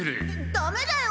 ダメだよ。